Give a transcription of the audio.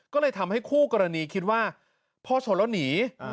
ก็เลยทำให้คู่กรณีคิดว่าพ่อชนแล้วหนี